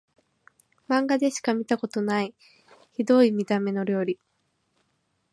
マンガでしか見たことないヒドい見た目の料理